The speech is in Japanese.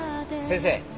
先生。